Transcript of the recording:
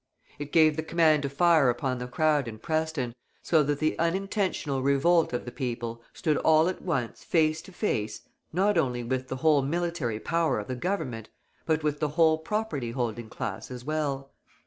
It gave the command to fire upon the crowd in Preston, so that the unintentional revolt of the people stood all at once face to face, not only with the whole military power of the Government, but with the whole property holding class as well.